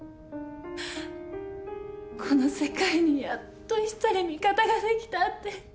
この世界にやっと１人味方ができたって。